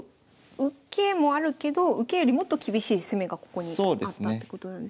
受けもあるけど受けよりもっと厳しい攻めがここにあったってことなんですね。